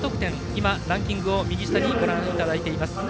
今、ランキングを右下にご覧いただいています。